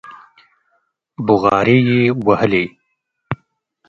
بوغارې يې وهلې.